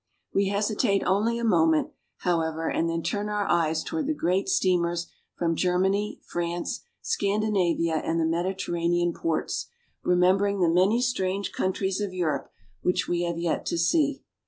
We hesitate only a moment, however, and then turn our eyes toward the great steamers from Germany, France, Scandinavia, and the Mediter ranean ports, remembering the many strange countries of Europe which we have yet to see.